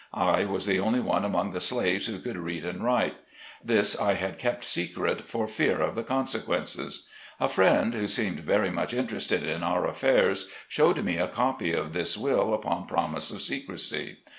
I was the only one among the slaves who could read and write. This I had kept secret, for fear of the consequences. A friend, who seemed very much interested in our affairs, showed me a copy of this will, upon promise of secrecy.